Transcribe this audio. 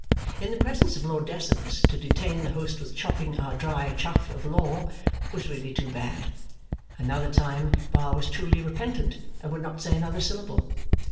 In the presence of Lord Decimus, to detain the host with chopping our dry chaff of law, was really too bad! Another time! Bar was truly repentant, and would not say another syllable.